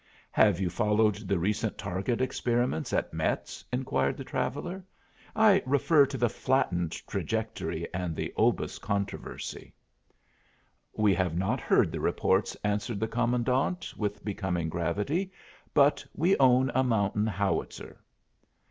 "Have you followed the recent target experiments at Metz?" inquired the traveller. "I refer to the flattened trajectory and the obus controversy." "We have not heard the reports," answered the commandant, with becoming gravity. "But we own a mountain howitzer."